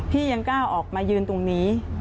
พี่ยังกล้าออกมายืนตรงนี้